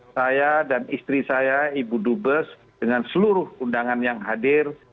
saya dan istri saya ibu dubes dengan seluruh undangan yang hadir